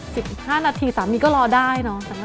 สิบห้านาทีสามีก็รอได้เนอะ